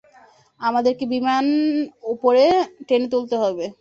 আমাদেরকে বিমান উপরে টেনে তুলতে হবে।